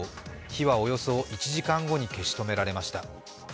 火はおよそ１時間後に消し止められました。